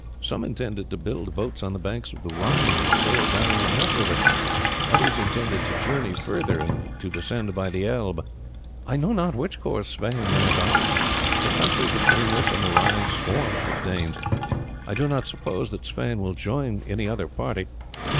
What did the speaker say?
Some intended to build boats on the banks of the Rhine and sail down on that river, others intended to journey further and to descend by the Elbe. I know not which course Sweyn may adopt. The country between this and the Rhine swarms with Danes. I do not suppose that Sweyn will join any other party.